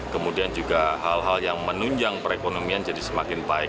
kemudian juga hal hal yang menunjang perekonomian jadi semakin baik